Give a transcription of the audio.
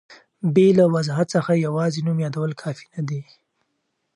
بې له وضاحت څخه یوازي نوم یادول کافي نه دي.